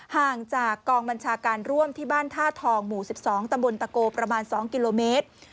ห่างจากกองบัญชาการร่วมที่บ้านท่าทองหมู่๑๒ตำบลตะโกประมาณ๒กิโลเมตร